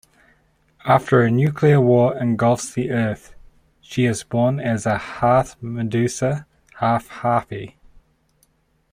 After a nuclear war engulfs the earth, she is born as a half-medusa half-harpy.